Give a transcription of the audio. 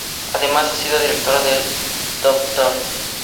Además ha sido Directora del Dpto.